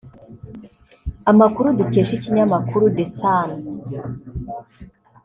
Amakuru dukesha ikinyamakuru The Sun